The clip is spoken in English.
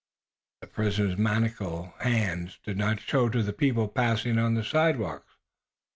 The prisoner's manacled hands did not show to the people passing on the sidewalks.